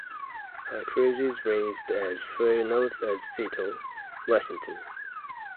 Her cruises ranged as far north as Seattle, Washington.